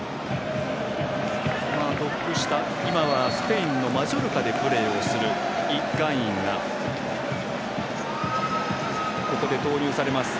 トップ下、今はスペインのマジョルカでプレーするイ・ガンインがここで投入されます。